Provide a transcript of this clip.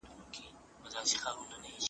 د بدخشان غرونه ډېر ښکلي دي.